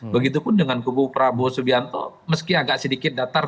begitupun dengan kubu prabowo subianto meski agak sedikit datar